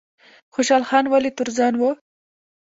خوشحال خان ولې تورزن و؟